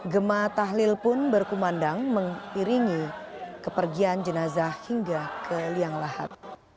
gemah tahlil pun berkumandang mengiringi kepergian jenazah hingga ke liang lahat